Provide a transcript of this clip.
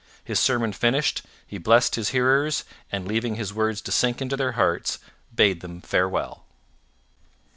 His sermon finished, he blessed his hearers, and, leaving his words to sink into their hearts, bade them farewell.